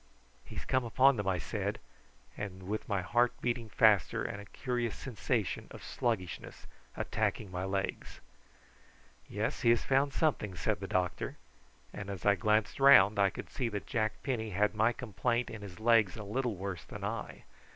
"He has come upon them," I said, with my heart beating faster and a curious sensation of sluggishness attacking my legs. "Yes, he has found something," said the doctor; and as I glanced round I could see that Jack Penny had my complaint in his legs a little worse than I.